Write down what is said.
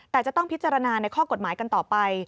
แต่จะต้องพิจารณาในข้อกฎหมายกันต่อไป